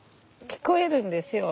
聞こえるんですよ。